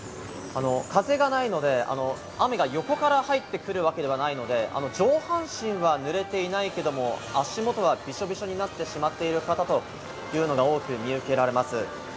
風がないので雨が横から入ってくるわけではないので、上半身は濡れていないけれども、足元はびしょびしょになってしまっている方というのが多く見受けられます。